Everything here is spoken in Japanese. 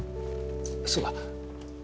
そうだ。